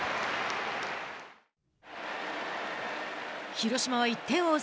広島は１点を追う